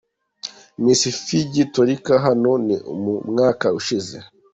Miss Fiji Torika, hano ni mu mwaka ushize.